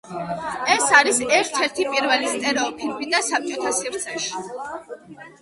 ეს არის ერთ-ერთი პირველი სტერეო ფირფიტა საბჭოთა სივრცეში.